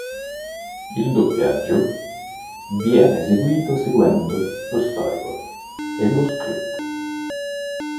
Il doppiaggio, viene eseguito seguendo lo storyboard e lo script.